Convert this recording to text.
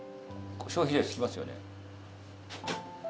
消費税付きますよね？